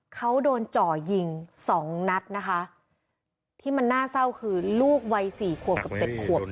เขาโดนจ่อยิงสองนัดนะคะที่มันน่าเศร้าคือลูกวัยสี่ขวบกับเจ็ดขวบ